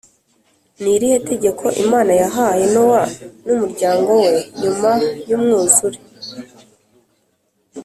Ni irihe tegeko Imana yahaye Nowa n umuryango we nyuma y Umwuzure